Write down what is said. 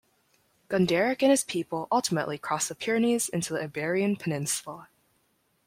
Gunderic and his people ultimately crossed the Pyrenees into the Iberian Peninsula.